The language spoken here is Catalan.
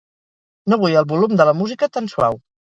No vull el volum de la música tan suau.